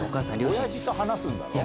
親父と話すんだろ？